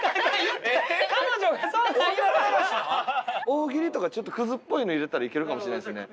大喜利とかちょっとクズっぽいの入れたらいけるかもしれないですね。